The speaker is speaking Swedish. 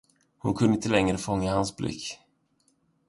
Hon kunde icke längre fånga hans blick.